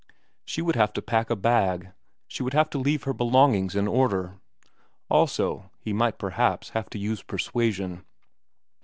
She would have to pack a bag ; she would have to leave her belongings in order. Also he might perhaps have to use persuasion.